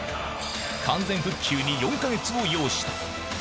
完全復旧に４か月を要した。